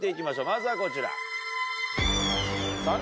まずはこちら。